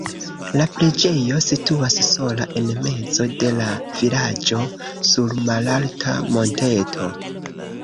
La preĝejo situas sola en mezo de la vilaĝo sur malalta monteto.